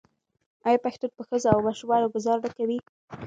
آیا پښتون په ښځو او ماشومانو ګذار نه کوي؟